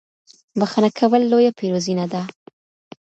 بښنه کول لويه پېرزوينه ده.